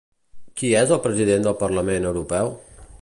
Qui és el president del Parlament Europeu?